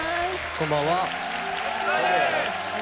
こんばんは。